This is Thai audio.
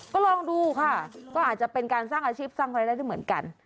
ก็ลองดูค่ะก็อาจจะเป็นการสร้างอาชีพสร้างรายได้ได้เหมือนกัน